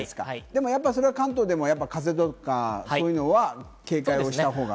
でもそれは関東でも風とかそういうのは警戒をしたほうが。